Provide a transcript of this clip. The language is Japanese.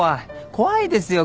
怖いですよ